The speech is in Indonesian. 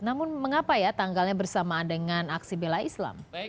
namun mengapa ya tanggalnya bersamaan dengan aksi bela islam